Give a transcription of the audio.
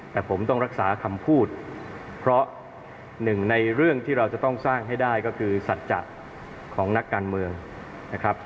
แต่ผมต้องรักษาคำพูดเพราะหนึ่งในเรื่องที่เราจะต้องสร้างให้ได้ก็คือสัจจะของนักการเมืองนะครับ